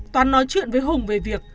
toán nói chuyện với hùng về việc